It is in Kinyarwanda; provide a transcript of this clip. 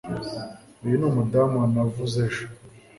uyu ni umudamu navuze ejo